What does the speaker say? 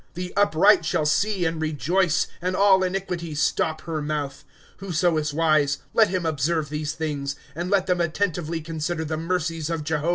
^^ The upright shall see, and rejoice, And all iniquity stop her mouth. *^ Whoso is wise, let him observe these things ; And let them attentively consider the mercies of Jehovah.